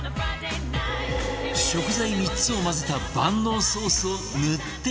食材３つを混ぜた万能ソースを塗って焼くだけ